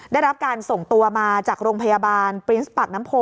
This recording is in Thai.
ได้รับการส่งตัวมาจากโรงพยาบาลปรินส์ปากน้ำโพ